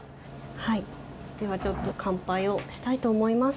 はいではちょっと乾杯をしたいと思います。